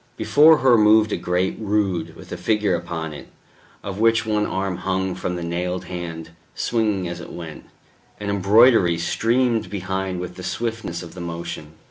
Before her moved a great rood, with a figure upon it, of which one arm hung from the nailed hand, swinging as it went; an embroidery streamed behind with the swiftness of the motion.